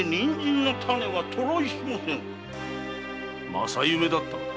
正夢だったのだ。